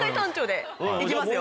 行きますよ。